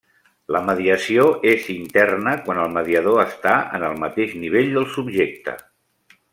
La mediació és interna quan el mediador està en el mateix nivell del subjecte.